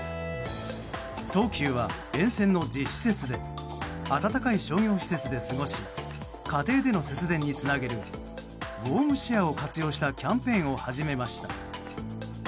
東急は沿線の１０施設で暖かい商業施設で過ごし家庭での節電につなげるウォームシェアを活用したキャンペーンを始めました。